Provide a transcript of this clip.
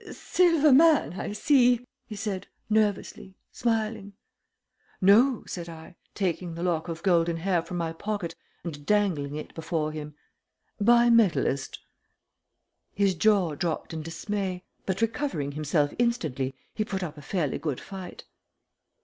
"Silver man, I see," he said, nervously, smiling. "No," said I, taking the lock of golden hair from my pocket and dangling it before him. "Bimetallist." His jaw dropped in dismay, but recovering himself instantly he put up a fairly good fight.